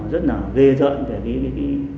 rất là ghê giận về cái